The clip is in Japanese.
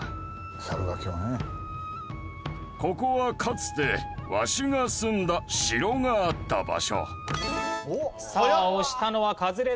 そしてここはかつてわしが住んだ城があった場所。